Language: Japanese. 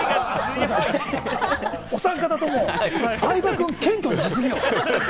おさんかたとも相葉君、謙虚にしすぎよ。